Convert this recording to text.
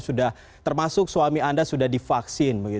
sudah termasuk suami anda sudah divaksin